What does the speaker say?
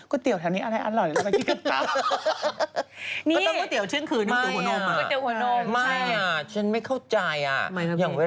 เตี๋ยแถวนี้อะไรอร่อยแล้วไปกินกันตาม